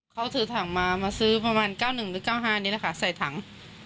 เขาถือถังมามาซื้อประมาณ๙๑หรือ๙๕นี่แหละค่ะใส่ถัง